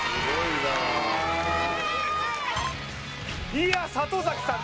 いや里崎さん